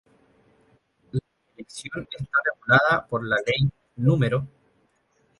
La elección está regulada por la Ley No.